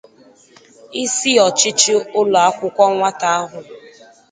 Isi ọchịchị ụlọakwụkwọ nwata ahụ